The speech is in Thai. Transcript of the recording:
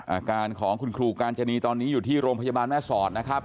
อาการของคุณครูกาญจนีตอนนี้อยู่ที่โรงพยาบาลแม่สอดนะครับ